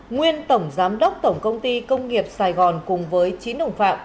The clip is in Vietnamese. nguyên tổng giám đốc tổng công ty công nghiệp sài gòn cùng với chín đồng phạm